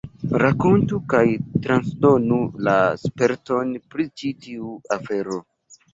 Rakontu kaj transdonu la sperton pri ĉi tiu afero.